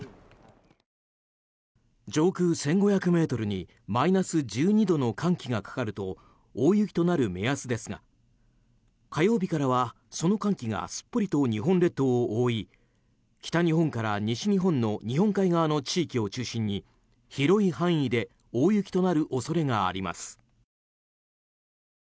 上空１５００ｍにマイナス１２度の寒気がかかると大雪となる目安ですが火曜日からはその寒気がすっぽりと日本列島を覆い北日本から西日本の日本海側の地域を中心に広い範囲で大雪となる恐れがあります。